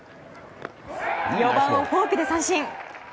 ４番をフォークで三振。